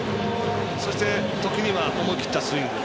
そして時には思い切ったスイング。